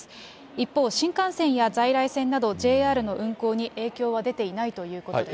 一方、新幹線や在来線など、ＪＲの運行に影響は出ていないということです。